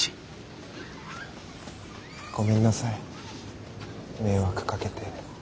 ごめんなさい迷惑かけて。